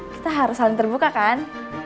kita harus saling terbuka kan